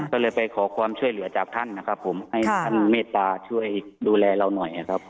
ก็เลยไปขอความช่วยเหลือจากท่านนะครับผมให้ท่านเมตตาช่วยดูแลเราหน่อยนะครับ